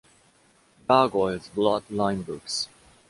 Gargoyles Bloodline Books.